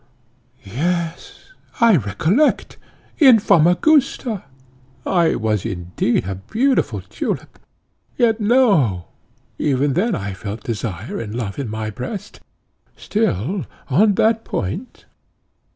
Yes, I recollect, in Famagusta! I was indeed a beautiful tulip Yet no, even then I felt desire and love in my breast. Still, still on that point!"